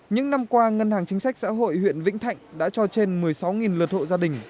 những năm qua ngân hàng chính sách xã hội huyện vĩnh thạnh đã cho trên một mươi sáu lượt hộ gia đình